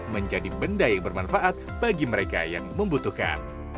menjadi benda yang bermanfaat bagi mereka yang membutuhkan